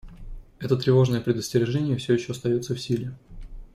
Это тревожное предостережение все еще остается в силе.